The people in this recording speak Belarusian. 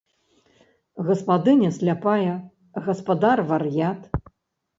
Гаспадыня сляпая, гаспадар вар'ят.